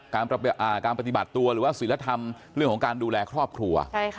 การปฏิบัติตัวหรือว่าศิลธรรมเรื่องของการดูแลครอบครัว